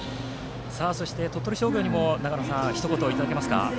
そして鳥取商業にも長野さん、ひと言いただけますか。